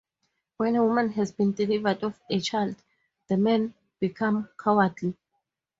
When a woman has been delivered of a child, the men become cowardly.